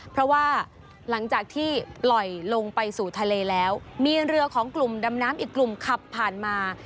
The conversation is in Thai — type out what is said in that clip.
เพราะว่าหลังจากที่ปล่อยลงไปสู่ทะเลแล้วมีเรือของกลุ่มดำน้ำอีกกลุ่มขับผ่านมา